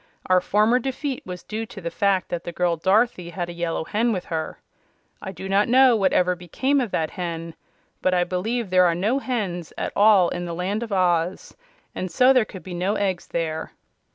Our former defeat was due to the fact that the girl Dorothy had a Yellow Hen with her. I do not know what ever became of that hen, but I believe there are no hens at all in the Land of Oz, and so there could be no eggs there."